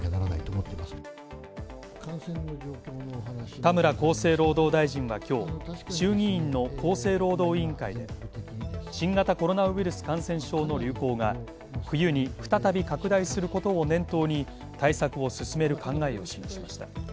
田村厚生労働大臣は今日、衆議院の厚生労働委員会で新型コロナウイルス感染症の流行が冬に再び拡大することを念頭に対策を進める考えを示しました。